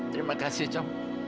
terima kasih com